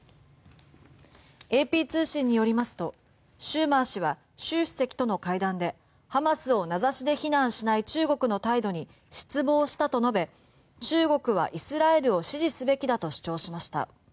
ＡＰ通信によりますとシューマー氏は習主席との会談でハマスを名指しで非難しない中国の態度に失望したと述べ中国はイスラエルを支持すべきだと主張しました。